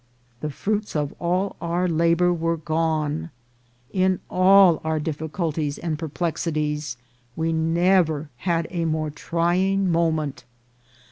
The fruits of all our labour were gone. In all our difficul ties and perplexities we never had a more trying mo ment.